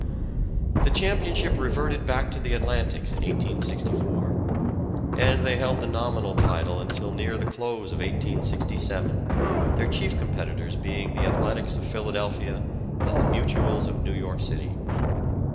The championship reverted back to the Atlantics in 1864, and they held the nominal title until near the close of 1867, their chief competitors being the Athletics of Philadelphia and the Mutuals of New York City.